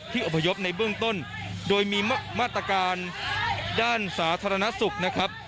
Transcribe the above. อพยพในเบื้องต้นโดยมีมาตรการด้านสาธารณสุขนะครับ